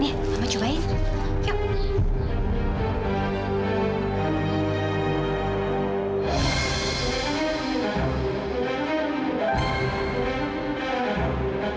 nih mama cobain